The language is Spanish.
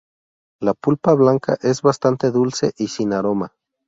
La pulpa blanca es bastante dulce y sin aroma.